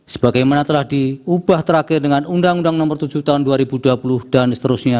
sebagaimana telah diubah terakhir dengan undang undang nomor tujuh tahun dua ribu dua puluh dan seterusnya